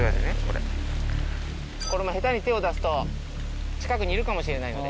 これも下手に手を出すと近くにいるかもしれないので。